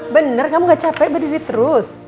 bener kamu gak capek berdiri terus